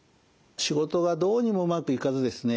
仕事がどうにもうまくいかずですね